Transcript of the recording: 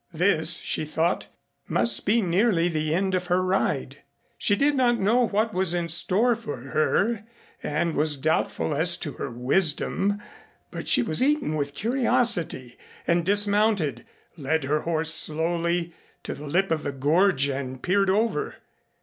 This she thought must be nearly the end of her ride. She did not know what was in store for her and was doubtful as to her wisdom, but she was eaten with curiosity, and dismounted, led her horse slowly to the lip of the gorge and peered over.